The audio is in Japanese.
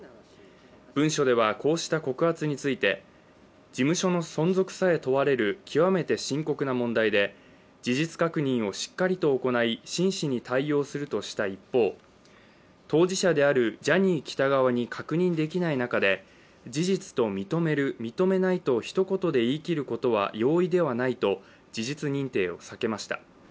文書ではこうした告発について、事務所の存続さえ問われる極めて深刻な問題で事実確認をしっかりと行い真摯に対応していくとした一方、当事者であるジャニー喜多川に確認できない中で事実と認める、認めないとひと言で言い切ることは容易ではないと事実認定を避けました。